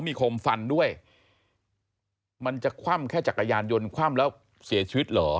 มีคมฟันด้วยมันจะคว่ำแค่จักรยานยนต์คว่ำแล้วเสียชีวิตเหรอ